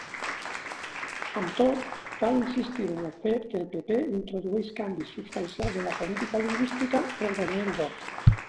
Amb tot, cal insistir en el fet que el PP introdueix canvis substancials en la política lingüística el dos mil dos.